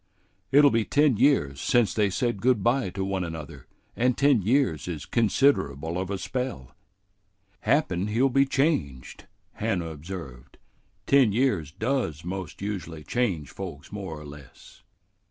It'll be ten years since they said good by to one another, and ten years is considerable of a spell." "Happen he'll be changed," Hannah observed. "Ten years does most usually change folks more or less."